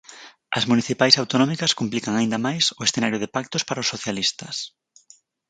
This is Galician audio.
As municipais e autonómicas complican aínda máis o escenario de pactos para os socialistas.